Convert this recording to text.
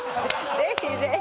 ぜひぜひ。